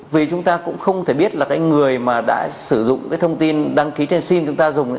vì chúng ta cũng không thể biết là cái người mà đã sử dụng cái thông tin đăng ký trên sim chúng ta dùng